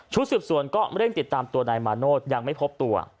สืบสวนก็เร่งติดตามตัวนายมาโนธยังไม่พบตัว